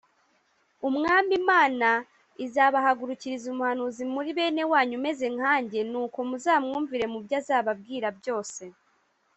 “Umwami Imana izabahagurukiriza umuhanuzi muri bene wanyu umeze nkanjye, nuko muzamwumvire mu byo azababwira byose